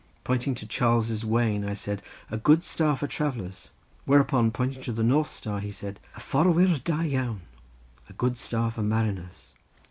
Pointing to Charles's wain I said, "A good star for travellers." Whereupon pointing to the North star, he said: "I forwyr da iawn—a good star for mariners."